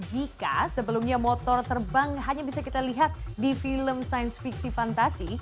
jika sebelumnya motor terbang hanya bisa kita lihat di film sains fiksi fantasi